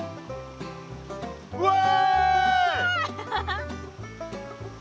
うわ！